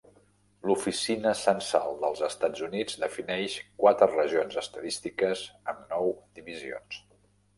L'oficina censal dels Estats Units defineix quatre regions estadístiques, amb nou divisions.